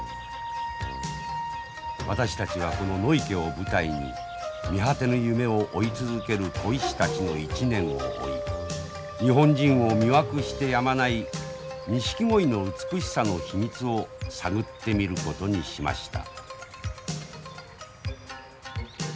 私たちはこの野池を舞台に見果てぬ夢を追い続ける鯉師たちの一年を追い日本人を魅惑してやまないニシキゴイの美しさの秘密を探ってみることにしました。